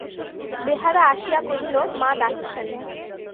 বেহারা আসিয়া কহিল, মা ডাকছেন।